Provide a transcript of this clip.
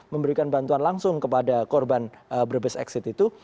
memberikan bantuan langsung kepada korban brebes exit itu